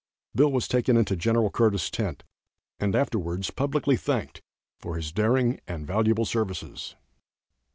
Bill was taken into Gen. Curtis' tent and afterwards publicly thanked for his daring and valuable services.